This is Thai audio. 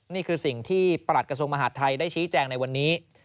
นี่คือสิ่งที่ประหลัดกระทรวงมหาดไทยได้ชี้แจงในวันนี้